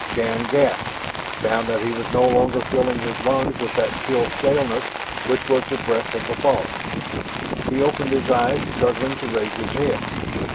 Shann gasped, found that he was no longer filling his lungs with that chill staleness which was the breath of the fog. He opened his eyes, struggling to raise his head.